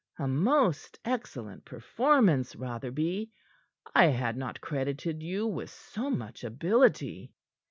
A most excellent performance, Rotherby. I had not credited you with so much ability."